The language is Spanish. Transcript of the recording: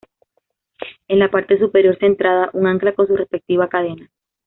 En la parte superior, centrada, un ancla con su respectiva cadena.